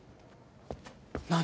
何？